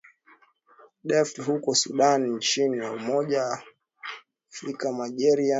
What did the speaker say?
Darfur huko Sudan chini ya Umoja wa AfrikaNigeria hukadiriwa kuwa